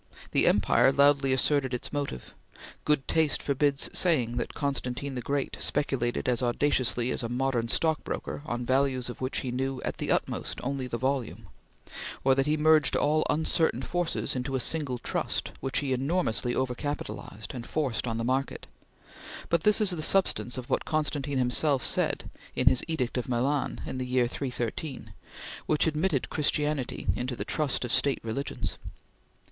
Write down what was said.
The empire loudly asserted its motive. Good taste forbids saying that Constantine the Great speculated as audaciously as a modern stock broker on values of which he knew at the utmost only the volume; or that he merged all uncertain forces into a single trust, which he enormously overcapitalized, and forced on the market; but this is the substance of what Constantine himself said in his Edict of Milan in the year 313, which admitted Christianity into the Trust of State Religions.